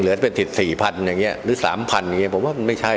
เหลือเป็นสิทธิ์๔๐๐๐อย่างนี้หรือ๓๐๐๐อย่างนี้ผมว่ามันไม่ใช่นะ